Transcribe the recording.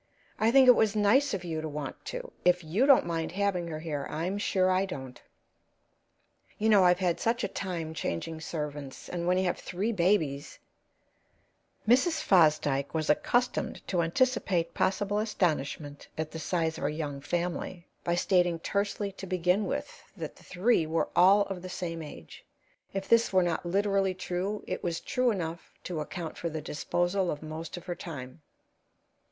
I think it was nice of you to want to. If you don't mind having her here, I'm sure I don't. You know I've had such a time changing servants; and when you have three babies " Mrs. Fosdyke was accustomed to anticipate possible astonishment at the size of her young family by stating tersely to begin with that the three were all of the same age; if this were not literally true, it was true enough to account for the disposal of most of her time.